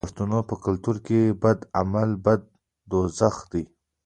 د پښتنو په کلتور کې د بد عمل بدله دوزخ دی.